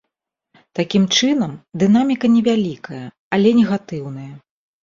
Такім чынам, дынаміка невялікая, але негатыўная.